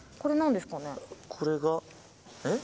これがえっ？